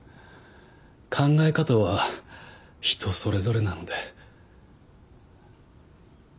考え方は人それぞれなので。